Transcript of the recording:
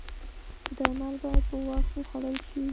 درمل باید په وخت وخوړل شي